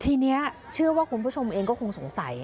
ทีนี้เชื่อว่าคุณผู้ชมเองก็คงสงสัย